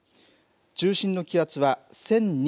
中心の気圧は１００２